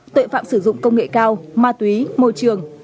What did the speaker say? tội phạm sử dụng công nghệ cao ma túy môi trường